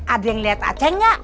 ada yang liat acengnya